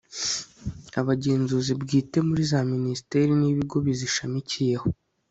abagenzuzi bwite muri za minisiteri n'ibigo bizishamikiyeho